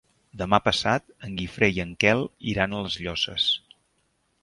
Demà passat en Guifré i en Quel iran a les Llosses.